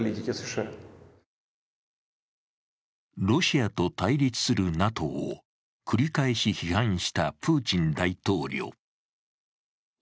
ロシアと対立するＮＡＴＯを繰り返し批判したプーチン大統領。